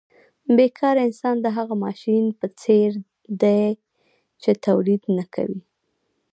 بې کاره انسان د هغه ماشین په څېر دی چې تولید نه کوي